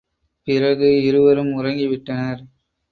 பிறகு இருவரும் உறங்கிவிட்டனர்.